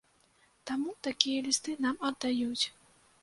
Таму такія лісты нам аддаюць.